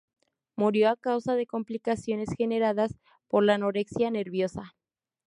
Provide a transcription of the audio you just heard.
Murió a causa de complicaciones generadas por la anorexia nerviosa.